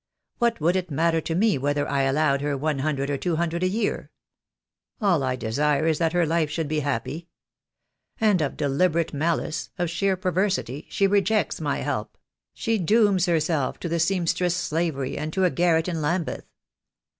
What would it matter to me whether I allowed her one hundred or two hundred a year? All I desire is that her life should be happy. And of deliberate malice — of sheer perversity — she rejects my help, she dooms herself to the seamstress' slavery, and to a garret in Lambeth.